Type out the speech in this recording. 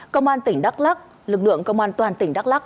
công an tỉnh đắk lắc lực lượng công an toàn tỉnh đắk lắc